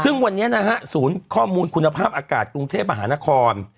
ซึ่งวันนี้นะฮะศูนย์ข้อมูลคุณภาพอากาศกรุงเทพมหานคร